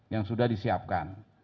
yang sudah disiapkan